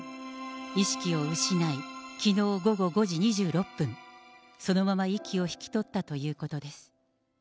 意識を失い、きのう午後５時２６分、そのまま息を引き取ったということです。